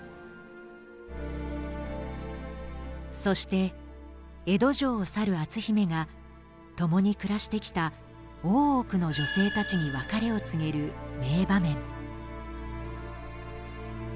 そして江戸城を去る篤姫が共に暮らしてきた大奥の女性たちに別れを告げる名場面。